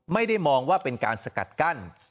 ไม่ได้มองว่าเป็นการสกัดกั้น